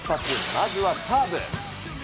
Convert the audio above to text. まずはサーブ。